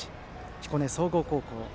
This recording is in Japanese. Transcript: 彦根総合高校。